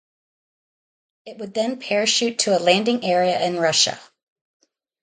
It would then parachute to a landing area in Russia.